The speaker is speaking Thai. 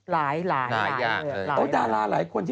ลายลาย